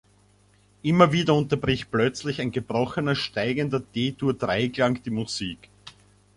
Immer wieder unterbricht plötzlich ein gebrochener steigender D-Dur-Dreiklang die Musik.